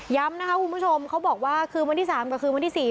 นะคะคุณผู้ชมเขาบอกว่าคือวันที่๓กับคืนวันที่๔